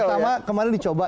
pertama kemarin dicoba